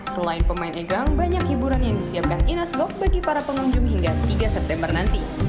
selain pemain egrang banyak hiburan yang disiapkan inas gok bagi para pengunjung hingga tiga september nanti